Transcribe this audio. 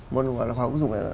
môn hóa hữu dụng